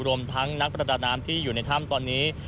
รวมทั้งนักประดาน้ำที่อยู่ในถ้ำตอนนี้